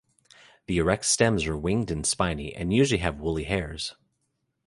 The erect stems are winged and spiny, and usually have woolly hairs.